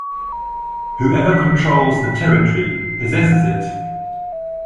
'Whoever controls the territory possesses it.